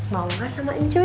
mau gak sama ucuy